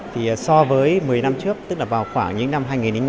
thì so với một mươi năm trước tức là vào khoảng những năm hai nghìn năm